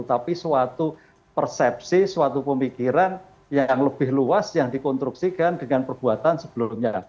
tapi suatu persepsi suatu pemikiran yang lebih luas yang dikonstruksikan dengan perbuatan sebelumnya